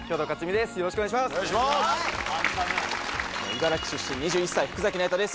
茨城出身２１歳福崎那由他です